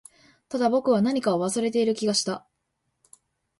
ただ、僕は何かを忘れている気がした